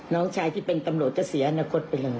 น้องชายที่เป็นตำรวจก็เสียอนาคตไปเลย